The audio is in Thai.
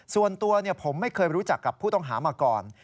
ส่วนตัวผมไม่เคยรู้จักกับผู้ต้องหามาก่อน